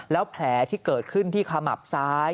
แล้วแผลที่เกิดขึ้นที่ขมับซ้าย